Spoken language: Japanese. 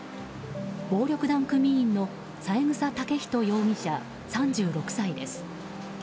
暴力団組員の三枝丈人容疑者、３６歳です。